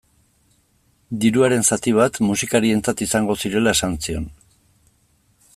Diruaren zati bat musikarientzat izango zirela esan zion.